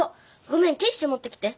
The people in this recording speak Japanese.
ごめんティッシュもってきて。